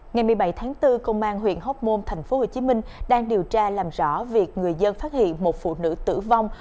ngày một mươi bảy tháng bốn công an huyện hóc môn tp hcm đang điều tra làm rõ việc người dân phát hiện một phụ nữ tử vong